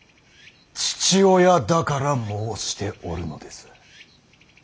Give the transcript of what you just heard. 父親だから申しておるのです。